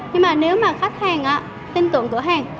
nhưng mà nếu mà khách hàng tin tưởng cửa hàng